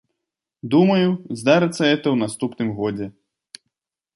Думаю, здарыцца гэта ў наступным годзе.